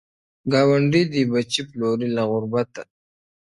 ګاونډي دي بچي پلوري له غربته,